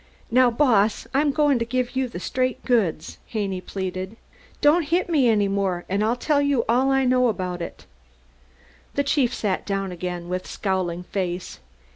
"Now, Boss, I'm goin' to give you the straight goods," Haney pleaded. "Don't hit me any more an' I'll tell you all I know about it." The chief sat down again with scowling face.